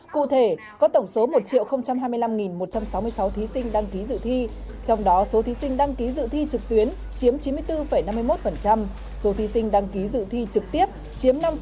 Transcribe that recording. cụ thể có tổng số một hai mươi năm một trăm sáu mươi sáu thí sinh đăng ký dự thi trong đó số thí sinh đăng ký dự thi trực tuyến chiếm chín mươi bốn năm mươi một số thí sinh đăng ký dự thi trực tiếp chiếm năm mươi